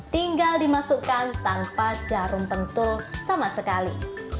tinggal dimasukkan tanpa jarum pentul sama sekali